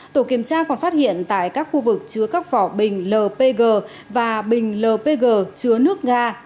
tổ kiểm tra còn phát hiện tại các khu vực chứa các vỏ bình lpg và bình lpg chứa nước ga